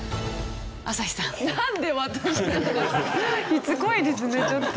しつこいですねちょっと。